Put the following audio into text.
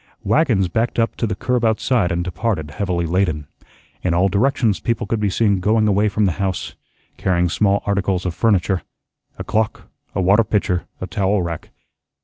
Wagons backed up to the curb outside and departed heavily laden. In all directions people could be seen going away from the house, carrying small articles of furniture a clock, a water pitcher, a towel rack.